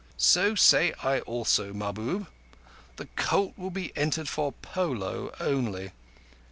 "So say I also, Mahbub. The colt will be entered for polo only.